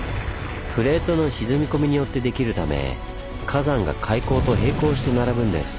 プレートの沈み込みによってできるため火山が海溝と平行して並ぶんです。